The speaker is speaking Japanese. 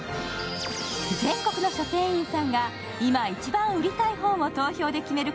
全国の書店員さんが今一番売りたい本を投票で決める